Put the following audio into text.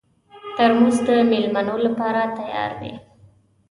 ترموز د مېلمنو لپاره تیار وي.